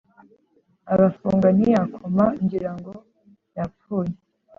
Arafunga ntiyakoma ngirango yapfuye